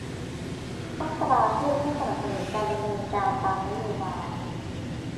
ต้องตราขึ้นเพื่อสนับสนุนการดำเนินการตามนโยบาย